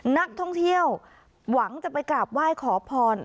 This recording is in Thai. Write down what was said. นักท่องเที่ยวหวังจะไปกราบไหว้ขอพร